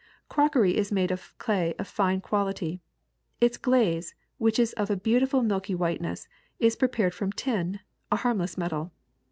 *^ Crockery is made of clay of fine quality. Its glaze, which is of a beautiful milky whiteness, is pre pared from tin, a harmless metal.